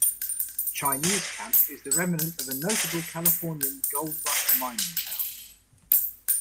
Chinese Camp is the remnant of a notable California Gold Rush mining town.